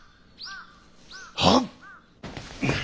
はっ！